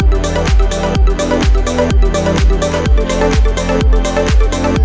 temukan dia di jalan